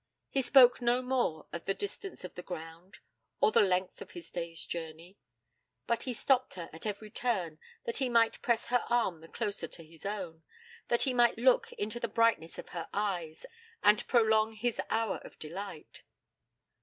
He spoke no more of the distance of the ground, or the length of his day's journey. But he stopped her at every turn that he might press her arm the closer to his own, that he might look into the brightness of her eyes, and prolong his hour of delight.